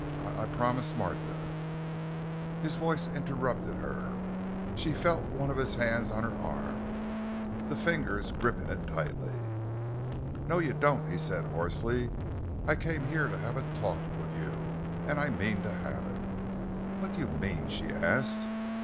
I—I promised Martha——" His voice interrupted her; she felt one of his hands on her arm, the fingers gripping it tightly. "No, you don't," he said, hoarsely; "I came here to have a talk with you, and I mean to have it!" "What do you mean?" she asked.